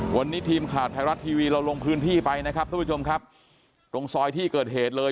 วันนี้ทีมข่าวไทยรัฐทีวีเราลงพื้นที่ไปนะครับทุกผู้ชมครับตรงซอยที่เกิดเหตุเลย